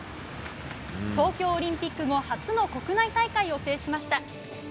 東京オリンピック後初の国内大会を制しました。